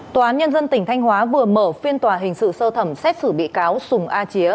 tòa án nhân dân tỉnh thanh hóa vừa mở phiên tòa hình sự sơ thẩm xét xử bị cáo sùng a chía